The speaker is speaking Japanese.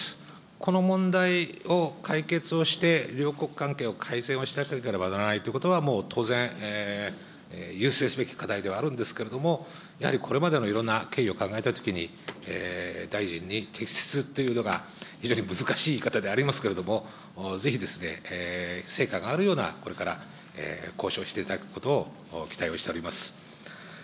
この問題を解決をして、両国関係を改善をしなければならないということは、もう当然優先すべき課題ではあるんですけれども、やはりこれまでのいろんな経緯を考えたときに、大臣に適切っていうのが非常に難しい言い方でありますけれども、ぜひですね、成果があるような、これから交渉していただくことを期待をしております。